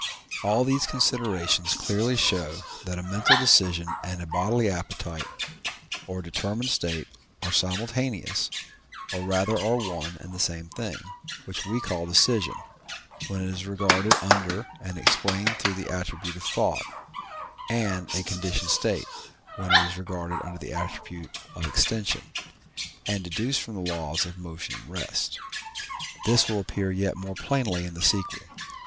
All these considerations clearly show that a mental decision and a bodily appetite, or determined state, are simultaneous, or rather are one and the same thing, which we call decision, when it is regarded under and explained through the attribute of thought, and a conditioned state, when it is regarded under the attribute of extension, and deduced from the laws of motion and rest. This will appear yet more plainly in the sequel.